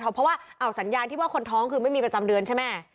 เพราะว่าสัญญาณที่ว่าคนท้องคือไม่มีประจำเดือนใช่ไหม